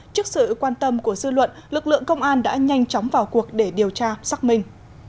trước sự quan tâm của dư luận lực lượng công an đã nhanh chóng vào cuộc để điều tra xác minh